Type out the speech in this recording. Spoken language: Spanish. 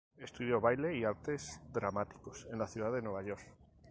Estudió baile y artes dramáticos en la ciudad de Nueva York.